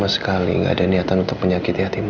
aku sama sekali gak ada niatan untuk menyakiti hati mama